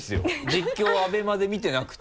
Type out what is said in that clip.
実況ＡＢＥＭＡで見てなくて。